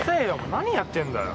何やってんだよ。